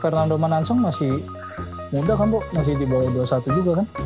fernando manansung masih muda kan bu masih di bawah dua puluh satu juga kan